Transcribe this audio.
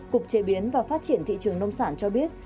cục chế biến và phát triển thị trường nông sản cho biết